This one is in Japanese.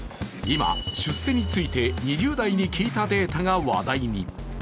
今、出世について２０代に聞いたデータが話題に。